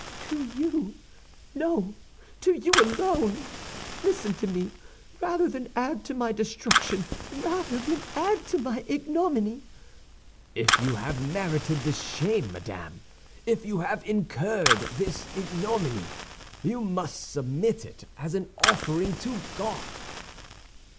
"To you—no, to you alone! Listen to me, rather than add to my destruction, rather than add to my ignominy!" "If you have merited this shame, madame, if you have incurred this ignominy, you must submit to it as an offering to God."